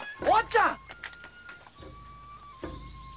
お初ちゃん！